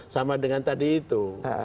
sama dengan tadi itu